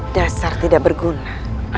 dasar tidak berguna